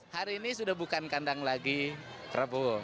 hari ini sudah bukan kandang lagi prabowo